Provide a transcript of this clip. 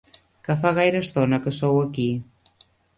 Que fa gaire estona que sou aquí?